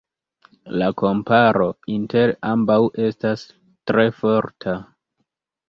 La komparo inter ambaŭ estas tre forta.